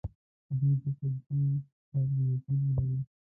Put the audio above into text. دوی دې په دې باندې یقین ولري.